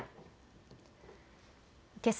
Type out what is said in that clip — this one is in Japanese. けさ